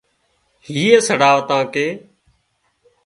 هيئي سڙاواتان ڪي